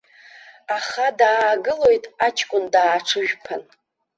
Аха даагылоит аҷкәын дааҽыжәԥан.